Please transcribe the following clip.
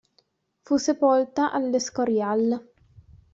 Fu sepolta all'Escorial.